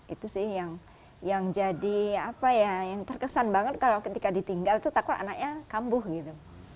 itu sih yang terkesan banget kalau ketika ditinggal takut anaknya kambuh gitu